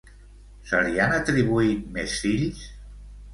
Se li han atribuït més fills?